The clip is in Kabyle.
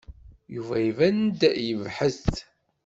Yuba iban-d yebhet.